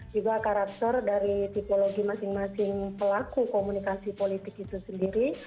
juga karakter dari tipologi masing masing pelaku komunikasi politik itu sendiri